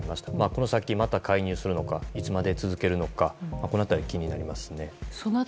この先、また介入するのかいつまで続けるのかが気になりますね。